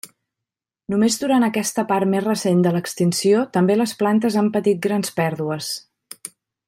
Només durant aquesta part més recent de l'extinció també les plantes han patit grans pèrdues.